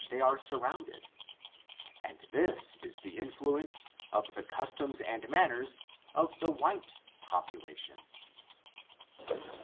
373 they are surrounded, and this is the influence of the customs and manners of the white population.